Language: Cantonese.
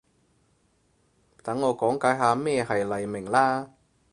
等我講解下咩係黎明啦